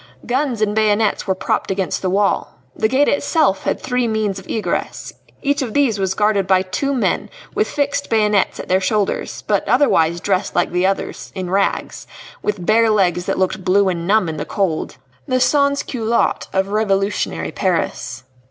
Guns and bayonets were propped against the wall. The gate itself had three means of egress; each of these was guarded by two men with fixed bayonets at their shoulders, but otherwise dressed like the others, in rags with bare legs that looked blue and numb in the cold the sans culottes of revolutionary Paris.